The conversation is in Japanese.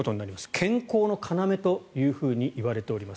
健康の要というふうにいわれております。